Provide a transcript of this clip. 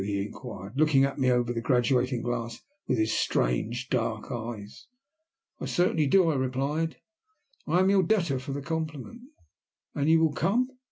he inquired, looking at me over the graduating glass with his strange, dark eyes. "I certainly do," I replied. "I am your debtor for the compliment." "And you will come?"